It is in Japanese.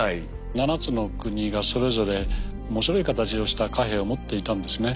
７つの国がそれぞれ面白い形をした貨幣を持っていたんですね。